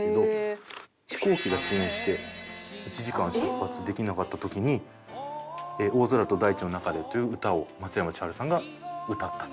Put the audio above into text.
飛行機が遅延して１時間出発できなかった時に『大空と大地の中で』という歌を松山千春さんが歌ったと。